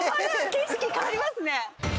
景色変わりますね。